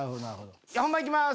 本番行きます！